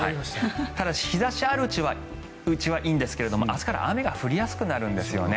ただし日差しがあるうちはいいんですが明日から雨が降りやすくなるんですよね。